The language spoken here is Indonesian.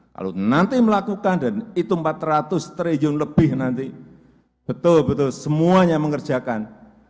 kalau nanti melakukan dan itu empat ratus triliun lebih nanti betul betul semuanya mengerjakan